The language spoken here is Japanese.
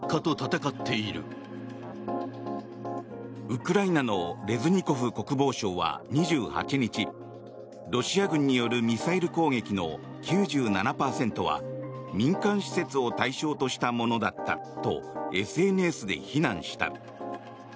ウクライナのレズニコフ国防相は２８日ロシア軍によるミサイル攻撃の９７％は民間施設を対象としたものだったとＳＮＳで非難した。